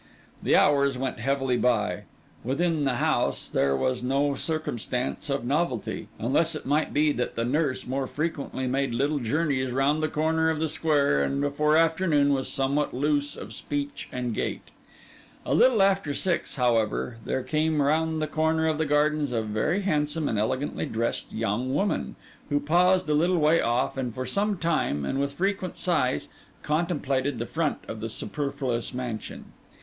The hours went heavily by. Within the house there was no circumstance of novelty; unless it might be that the nurse more frequently made little journeys round the corner of the square, and before afternoon was somewhat loose of speech and gait. A little after six, however, there came round the corner of the gardens a very handsome and elegantly dressed young woman, who paused a little way off, and for some time, and with frequent sighs, contemplated the front of the Superfluous Mansion.